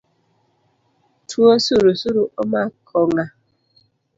Tuo surusuru omako ng’a?